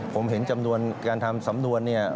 ผมเห็นจำนวนการทำสำนวน